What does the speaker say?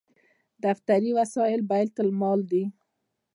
دفتري وسایل بیت المال دي